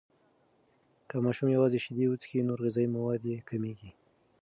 که ماشوم یوازې شیدې وڅښي، نور غذایي مواد یې کمیږي.